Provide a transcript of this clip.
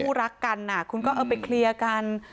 รักกันคุณก็เออไปเคลียร์กัน